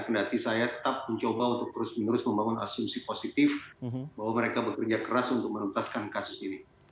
kendati saya tetap mencoba untuk terus menerus membangun asumsi positif bahwa mereka bekerja keras untuk menuntaskan kasus ini